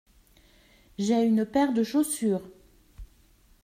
J’ai une paire de chaussures.